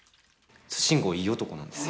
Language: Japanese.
慎吾いい男なんです。